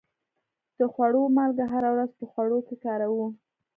د خوړو مالګه هره ورځ په خوړو کې کاروو.